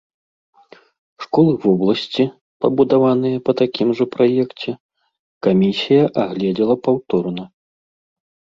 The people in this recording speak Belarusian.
Школы вобласці, пабудаваныя па такім жа праекце, камісія агледзела паўторна.